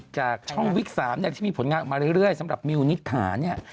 นักเอกจากช่องวิก๓ที่มีผลงานออกมาเรื่อยสำหรับมิวนิษฐาน